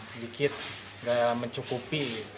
tidak ada kurang cukup